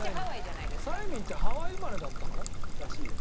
サイミンってハワイ生まれだったの？らしいです。